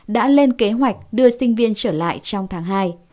đã lên kế hoạch đưa sinh viên trở lại trong tháng hai